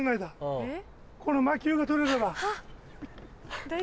この魔球が取れれば。